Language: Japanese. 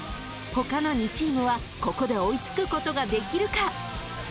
［他の２チームはここで追いつくことができるか？］